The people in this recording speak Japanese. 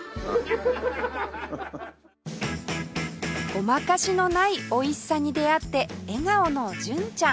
ごまかしのない美味しさに出会って笑顔の純ちゃん